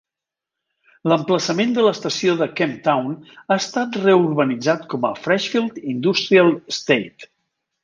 L'emplaçament de l'estació de Kemp Town ha estat reurbanitzat com a Freshfield Industrial Estate.